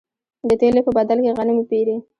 د تېلو په بدل کې غنم وپېري.